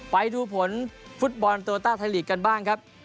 ไปดูผลฟุตบอลโตต้าไทยลีกกันบ้างครับ